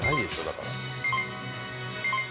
だから。